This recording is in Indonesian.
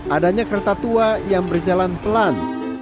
adanya kereta tua yang berjalan pelan